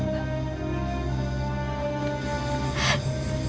kenapa kita tidak dibiarkan hidup dengan tenang